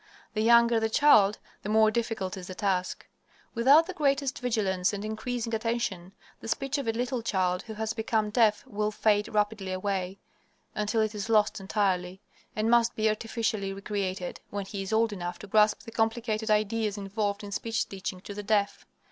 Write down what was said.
The younger the child, the more difficult is the task. Without the greatest vigilance and increasing attention, the speech of a little child who has become deaf will fade rapidly away, until it is lost entirely, and must be artificially recreated when he is old enough to grasp the complicated ideas involved in speech teaching to the deaf.